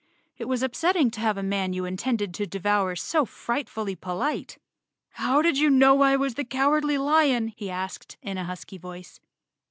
It was upsetting to have a man you intended to devour so frightfully polite. "How did you know I was the Cowardly Lion?" he asked in a husky voice.